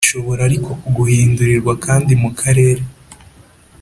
Ishobora ariko guhindurirwa kandi mu Karere